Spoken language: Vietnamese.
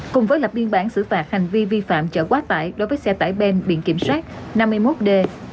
cùng với lập biên bản xử phạt hành vi vi phạm chở quá tải đối với xe tải bên biện kiểm soát năm mươi một d ba mươi tám nghìn một trăm linh hai